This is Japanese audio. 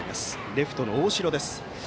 レフトの大城です。